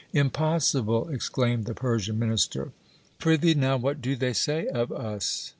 Im possible ! exclaimed the Persian minister. Prithee now, what do they say of us